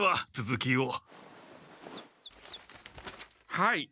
はい。